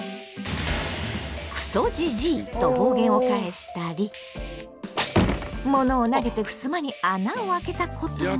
「クソジジイ！」と暴言を返したり物を投げてふすまに穴をあけたことも！